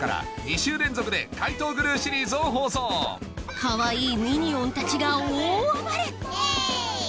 かわいいミニオンたちが大暴れイェイ！